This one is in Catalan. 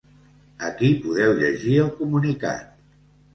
Aquí podeu llegir el comunicat.